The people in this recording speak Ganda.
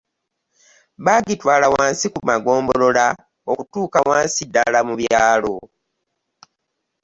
Bagitwala wansi ku magombolola okutuuka wansi ddala mu byalo.